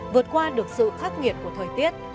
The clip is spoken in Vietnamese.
vượt qua được sự khắc nghiệt của thời tiết